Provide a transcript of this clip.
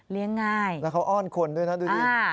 เลี้ยงง่ายดูนี่แล้วเขาอ้อนขนด้วยนะ